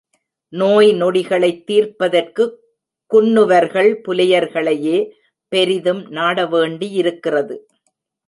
நோய் நொடிகளைத் தீர்ப்பதற்குக் குன்னுவர்கள் புலையர்களையே பெரிதும் நாடவேண்டியிருக்கிறது.